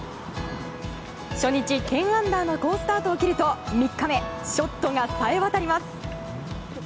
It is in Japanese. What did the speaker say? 初日１０アンダーの好スタートを切ると３日目ショットがさえわたります。